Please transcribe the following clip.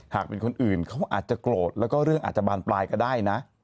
หากเป็นคนอื่นเขาอาจจะโกรธแล้วก็เรื่องอาจจะบานปลายก็ได้นะ